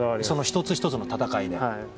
その一つひとつの戦いで。